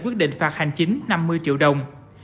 quyết định phạt hành chính năm mươi triệu đồng